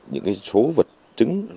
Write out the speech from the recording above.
những số vật chứng